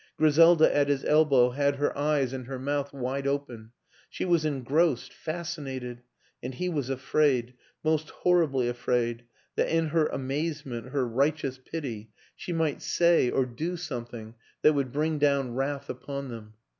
Griselda at his elbow had her eyes and her mouth wide open; she was engrossed, fascinated and he was afraid, most horribly afraid, that in her amazement, her righteous pity, she might say or 106 WILLIAM AN ENGLISHMAN do something that would bring down wrath upon them.